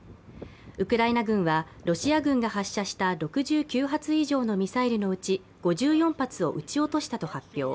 ウクライナ軍はロシア軍が発射した６９発以上のミサイルのうち５４発を撃ち落としたと発表。